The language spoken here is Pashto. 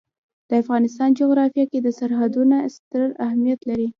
د افغانستان جغرافیه کې سرحدونه ستر اهمیت لري.